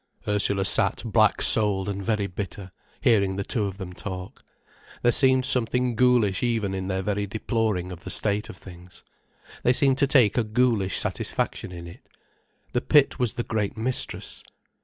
Ursula sat black souled and very bitter, hearing the two of them talk. There seemed something ghoulish even in their very deploring of the state of things. They seemed to take a ghoulish satisfaction in it. The pit was the great mistress.